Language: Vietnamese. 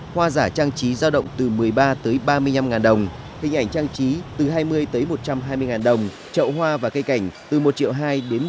hoa giả trang trí giao động từ một mươi ba tới ba mươi năm đồng hình ảnh trang trí từ hai mươi tới một trăm hai mươi đồng trậu hoa và cây cảnh từ một hai trăm linh đến một tám trăm linh đồng